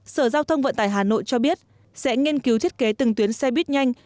sở giao thông vận tải hà nội cho biết sẽ nghiên cứu thiết kế từng tuyến xe buýt nhanh